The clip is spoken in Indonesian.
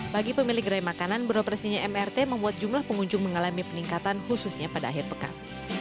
bagi pemilik gerai makanan beroperasinya mrt membuat jumlah pengunjung mengalami peningkatan khususnya pada akhir pekan